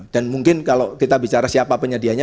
dan mungkin kalau kita bicara siapa penyedianya